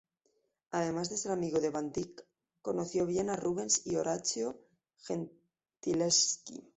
Además de ser amigo de van Dyck, conoció bien a Rubens y Orazio Gentileschi.